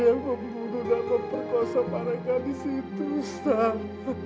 saya yang membunuh dapat perkosa mereka di situ ustaz